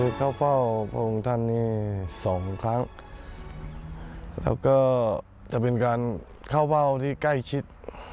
คือเข้าเฝ้าพระองค์ท่านนี้สองครั้งแล้วก็จะเป็นการเข้าเฝ้าที่ใกล้ชิด